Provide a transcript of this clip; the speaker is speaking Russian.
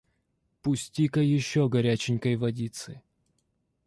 Пусти-ка еще горяченькой водицы.